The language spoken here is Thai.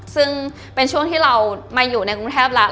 ซึ่งเป็นช่วงที่เรามาอยู่ในกรุงเทพแล้ว